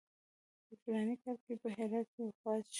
په فلاني کال کې په هرات کې وفات شو.